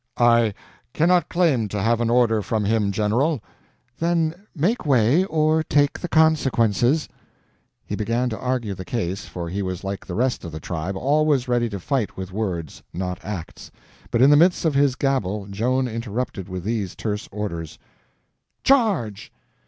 "I cannot claim to have an order from him, General." "Then make way, or take the consequences!" He began to argue the case, for he was like the rest of the tribe, always ready to fight with words, not acts; but in the midst of his gabble Joan interrupted with the terse order: "Charge!"